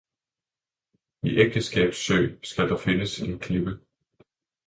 I Ægteskabs-Sø skal der findes en Klippe